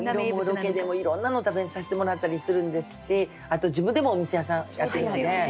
ロケでもいろんなの食べさせてもらったりするんですしあと自分でもお店屋さんやってるので。